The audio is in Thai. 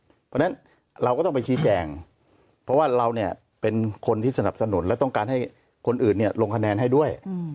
เพราะฉะนั้นเราก็ต้องไปชี้แจงเพราะว่าเราเนี่ยเป็นคนที่สนับสนุนและต้องการให้คนอื่นลงคะแนนให้ด้วย